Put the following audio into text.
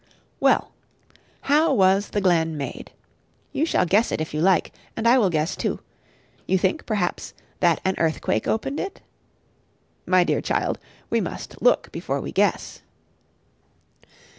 Well how was the glen made? You shall guess it if you like, and I will guess too. You think, perhaps, that an earthquake opened it? My dear child, we must look before we guess.